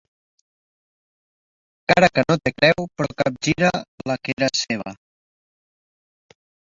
Cara que no té creu, però capgira la que era seva.